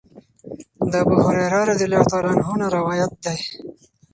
د ابوهريره رضی الله عنه نه روايت دی